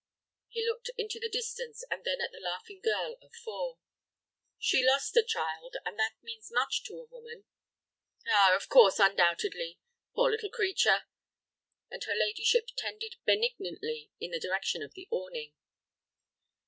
He looked into the distance, and then at the laughing girl of four. "She lost a child, and that means much to a woman." "Ah, of course, undoubtedly. Poor little creature!" and her ladyship tended benignly in the direction of the awning.